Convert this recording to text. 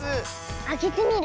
あけてみる？